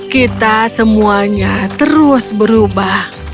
kita semuanya terus berubah